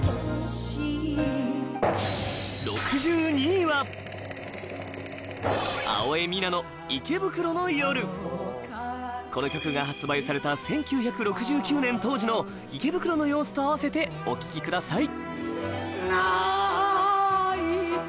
６２位はこの曲が発売された１９６９年当時の池袋の様子と合わせてお聴きください